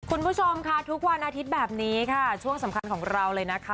คุณผู้ชมค่ะทุกวันอาทิตย์แบบนี้ค่ะช่วงสำคัญของเราเลยนะคะ